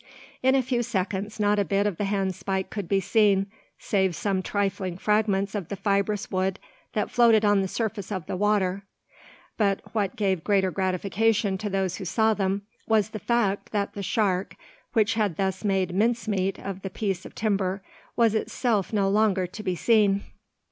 In a few seconds not a bit of the handspike could be seen, save some trifling fragments of the fibrous wood that floated on the surface of the water; but what gave greater gratification to those who saw them, was the fact that the shark which had thus made "mince meat" of the piece of timber was itself no longer to be seen.